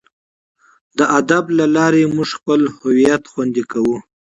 د ادب له لارې موږ خپل هویت خوندي کوو.